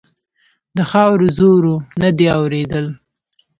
د خاورو زور و؛ نه دې اورېدل.